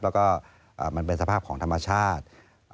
แล้วก็มันเป็นสภาพของธรรมชาติ